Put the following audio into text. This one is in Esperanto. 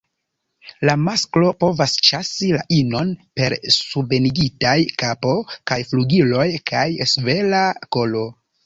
La masklo povas ĉasi la inon per subenigitaj kapo kaj flugiloj kaj ŝvela kolo.